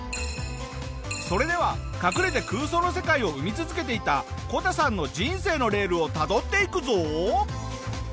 それでは隠れて空想の世界を生み続けていたこたさんの人生のレールをたどっていくぞ！